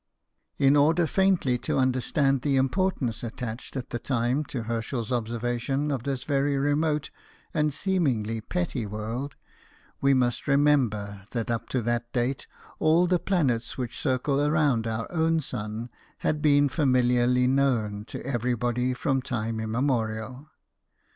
In order faintly to understand the importance attached at the time to Herschel's observation of this very remote and seemingly petty world, we: must remember that up to that date all the planets which circle round our own sun had been familiarly known to everybody from time immemorial.